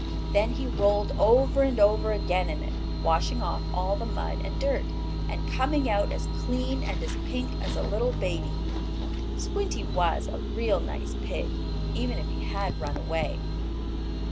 Then he rolled over and over again in it, washing off all the mud and dirt, and coming out as clean and as pink as a little baby. Squinty was a real nice pig, even if he had run away.